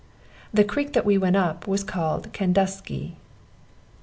The creek that we went up was called Candusky.